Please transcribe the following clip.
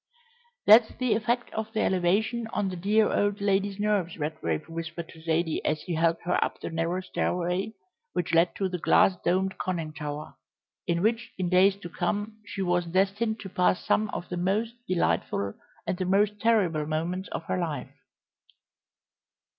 "That's the effect of the elevation on the dear old lady's nerves," Redgrave whispered to Zaidie as he helped her up the narrow stairway which led to the glass domed conning tower, in which in days to come she was destined to pass some of the most delightful and the most terrible moments of her life.